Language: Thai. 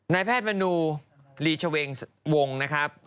นายแพทย์มนูลีชเวงวงนะครับ